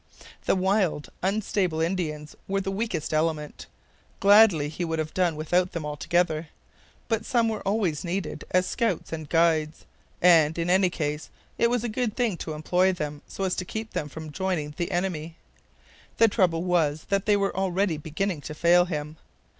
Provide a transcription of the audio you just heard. The wild, unstable Indians were the weakest element. Gladly would he have done without them altogether. But some were always needed as scouts and guides; and, in any case, it was a good thing to employ them so as to keep them from joining the enemy. The trouble was that they were already beginning to fail him.